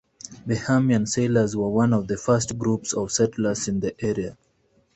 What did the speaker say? Bahamian sailors were one of the first groups of settlers in the area.